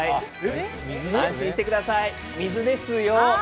安心してください水ですよ。